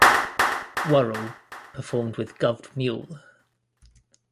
Worrell performed with Gov't Mule.